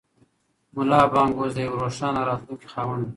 ملا بانګ اوس د یوې روښانه راتلونکې خاوند دی.